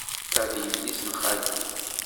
Ta d yelli-s n xalti.